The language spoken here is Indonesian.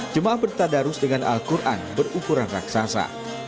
jemaah bertadarus dengan al quran berukuran raksasa